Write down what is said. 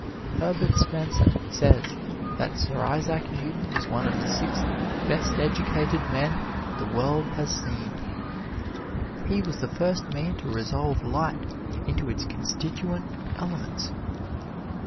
Herbert Spencer says that Sir Isaac Newton was one of the six best educated men the world has seen. He was the first man to resolve light into its constituent elements.